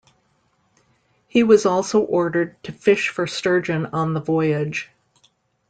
He was also ordered to fish for sturgeon on the voyage.